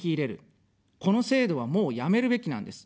この制度は、もうやめるべきなんです。